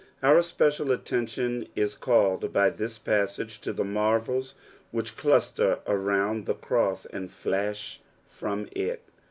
Our special attention is called by this paasage to the marvels which cluster around the cross and flash from it.